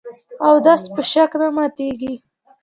اودس په شک نه ماتېږي .